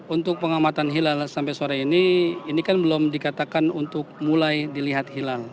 untuk pengamatan hilal sampai sore ini ini kan belum dikatakan untuk mulai dilihat hilal